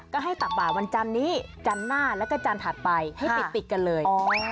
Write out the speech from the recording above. ก็ให้ตักบาดวันจันนี้จันทร์หน้าแล้วก็จันทร์ถัดไปให้ติดกันเลย